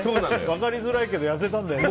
分かりづらいけど痩せたんだよね。